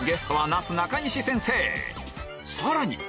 さらに！